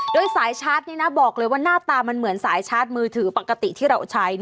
โดยสายชาร์จบอกเลยว่าหน้าตามันเหมือนสายชาร์จมือถือปกติที่เราใช้